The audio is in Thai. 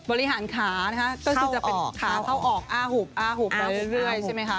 บริหารขานะคะก็คือจะเป็นขาเข้าออกอ้าหุบอ้าหุบแล้วเรื่อยใช่ไหมคะ